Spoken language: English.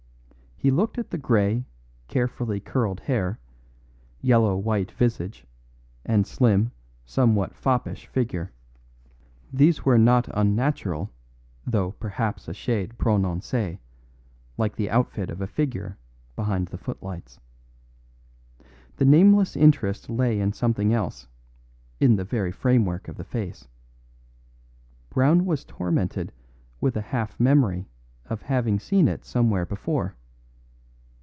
He looked at the grey, carefully curled hair, yellow white visage, and slim, somewhat foppish figure. These were not unnatural, though perhaps a shade prononcé, like the outfit of a figure behind the footlights. The nameless interest lay in something else, in the very framework of the face; Brown was tormented with a half memory of having seen it somewhere before.